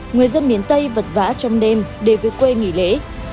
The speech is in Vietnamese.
người dân miền tây vật vã trong đêm để về quê nghỉ lễ